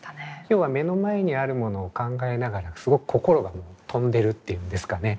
要は目の前にあるものを考えながらすごく心が飛んでるっていうんですかね